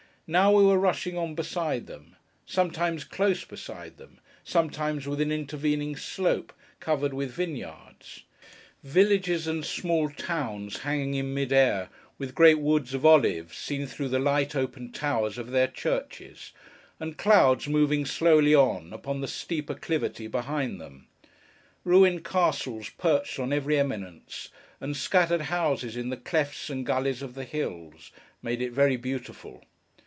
Now, we were rushing on beside them: sometimes close beside them: sometimes with an intervening slope, covered with vineyards. Villages and small towns hanging in mid air, with great woods of olives seen through the light open towers of their churches, and clouds moving slowly on, upon the steep acclivity behind them; ruined castles perched on every eminence; and scattered houses in the clefts and gullies of the hills; made it very beautiful.